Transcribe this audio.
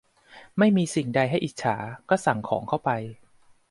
ไม่มีสิ่งใดให้อิจฉา ก็สั่งของเขาไป